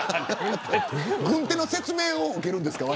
軍手の説明を受けるんですか